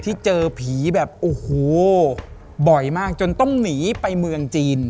ที่เจอผีแบบโอ้โหบ่อยมากจนต้องหนีไปเมืองจีน